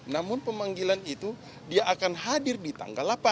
namun pemanggilan itu dia akan hadir di tanggal delapan